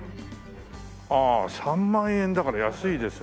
ああ３万円だから安いですね。